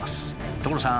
所さん！